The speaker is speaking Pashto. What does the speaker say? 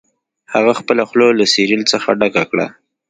هغه خپله خوله له سیریل څخه ډکه کړه